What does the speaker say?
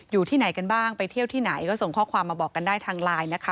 อยู่ที่ไหนกันบ้างไปเที่ยวที่ไหนก็ส่งข้อความมาบอกกันได้ทางไลน์นะคะ